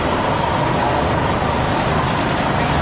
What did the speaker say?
เบอร์นานเก้า